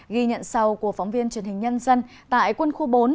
ghi nhận sau của phóng viên truyền hình nhân dân tại quân khu bốn